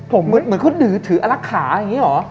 เหมือนเขาถืออลักขาอย่างนี้หรอ